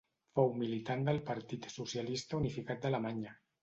Fou militant del Partit Socialista Unificat d'Alemanya.